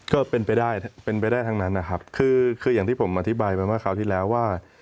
ก็เป็นไปได้เป็นไปได้ทั้งนั้นนะครับคือคืออย่างที่ผมอธิบายไปเมื่อคราวที่แล้วว่า